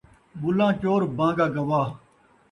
ملّاں چور ، بان٘گا گواہ